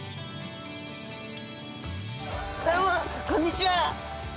こんにちは。